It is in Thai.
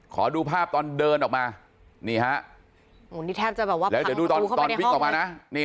ขอดูภาพตอนเดินออกมานี่ฮะแล้วเดี๋ยวดูตอนวิ่งออกมานะ